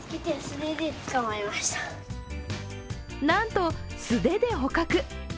なんと素手で捕獲。